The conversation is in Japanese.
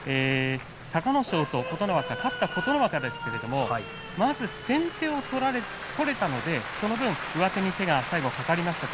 隆の勝と琴ノ若勝った琴ノ若ですがまず先手を取れたのでその分最後は上手に手が掛かりました。